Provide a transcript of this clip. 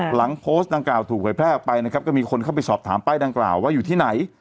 หลังโพสต์ดังกล่าวถูกเผยแพร่ออกไปนะครับก็มีคนเข้าไปสอบถามป้ายดังกล่าวว่าอยู่ที่ไหน